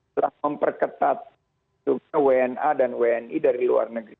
telah memperketat juga wna dan wni dari luar negeri